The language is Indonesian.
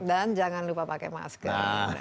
dan jangan lupa pakai masker